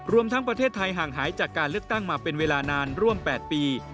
รวมทั้งประเทศไทยห่างหายจากการเลือกตั้งมาเป็นเวลานานร่วม๘ปี